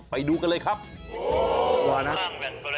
ไปดูกันเลยครับ